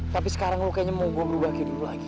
tapi sekarang lo kayaknya mau gue ngerubahin dulu lagi